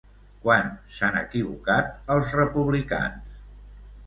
Quan s'han equivocat els republicans?